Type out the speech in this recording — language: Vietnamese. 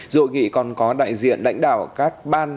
rội nghị còn có đại diện đảnh đạo các ban